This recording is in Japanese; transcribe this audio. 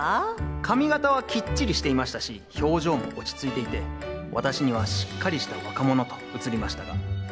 髪形はきっちりしていましたし表情も落ち着いていて私にはしっかりした若者と映りましたが。